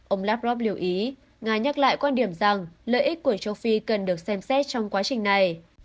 ông lavrov lưu ý nga nhắc lại quan điểm rằng lợi ích của châu phi cần được xem xét trong quá trình này